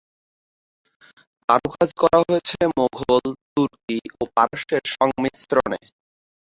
কারুকাজ করা হয়েছে মোগল, তুর্কী ও পারস্যের সংমিশ্রণে।